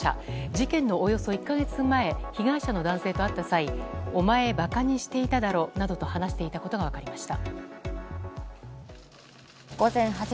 事件のおよそ１か月前被害者の男性と会った際お前、バカにしていただろなどと話していたことが分かりました。